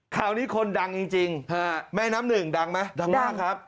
คราวนี้คนดังจริงแม่น้ำหนึ่งดังไหมดังมากครับ